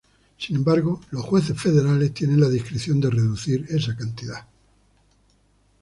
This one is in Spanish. Sin embargo, los jueces federales tienen la discreción de reducir esa cantidad.